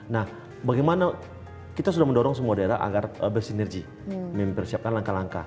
nah bagaimana kita sudah mendorong semua daerah agar bersinergi mempersiapkan langkah langkah